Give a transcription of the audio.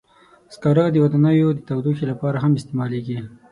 سکاره د ودانیو د تودوخې لپاره هم استعمالېږي.